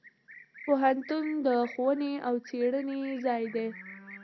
پوهنتون د ښوونې او څیړنې ځای دی.